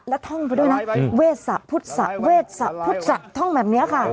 และท่องไปด้วยนะเวสะพุทธเวสะพุทธศะท่องแบบนี้ค่ะ